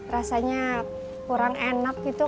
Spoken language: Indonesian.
rasanya kurang enak gitu